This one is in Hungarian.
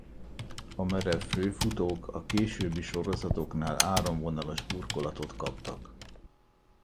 A merev főfutók a későbbi sorozatoknál áramvonalas burkolatot kaptak.